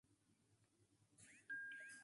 Es un exfutbolista mexicano.